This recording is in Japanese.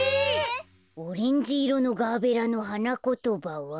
オレンジいろのガーベラのはなことばは。